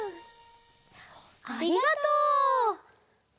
ありがとう！